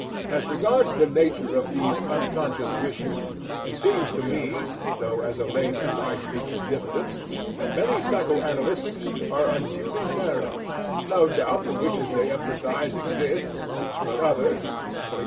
As regards the nature of these unconscious wishes, it seems to me though as a layman I speak with diffidence that many psycho analysts are unduly narrow; no doubt the wishes they emphasize exist, but others, e.g.